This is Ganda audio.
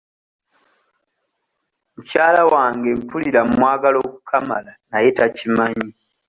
Mukyala wange mpulira mwagala okukamala naye takimanyi.